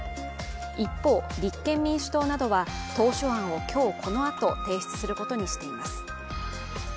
一方、立憲民主党などは当初案を今日このあと提出することにしています。